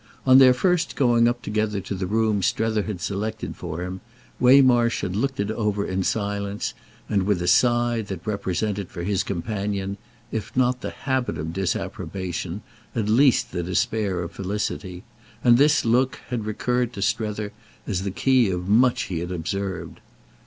On their first going up together to the room Strether had selected for him Waymarsh had looked it over in silence and with a sigh that represented for his companion, if not the habit of disapprobation, at least the despair of felicity; and this look had recurred to Strether as the key of much he had since observed.